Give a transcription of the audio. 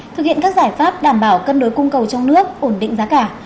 thực hiện các giải pháp đảm bảo cân đối cung cầu trong nước ổn định giá cả